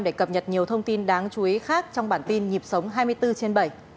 để cập nhật nhiều thông tin đáng chú ý khác trong bản tin nhịp sống hai mươi bốn trên bảy